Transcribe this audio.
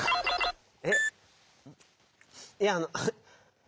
えっ⁉いやあの。